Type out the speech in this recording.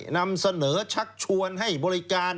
นำเสนอชักชวนให้บริการ